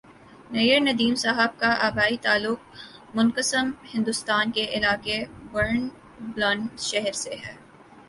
نیّرندیم صاحب کا آبائی تعلق منقسم ہندوستان کے علاقہ برن بلند شہر سے ہے